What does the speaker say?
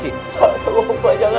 saya salah pak jangan pak